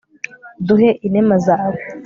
uduhe inema zawe